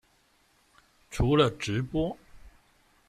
除了直播